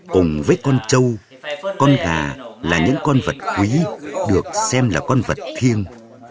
cùng với con trâu con gà là những con vật quý được xem là con vật thiêng